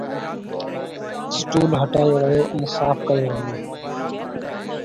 اسٽو هٽايو ويو ۽ صاف ڪيو ويو